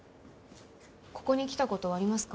ここに来たことありますか？